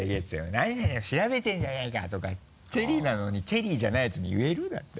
「なになにを調べてんじゃねぇか」とかチェリーなのにチェリーじゃないやつに言える？だって。